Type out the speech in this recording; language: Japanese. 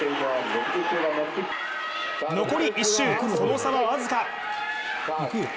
残り１周、その差は僅か。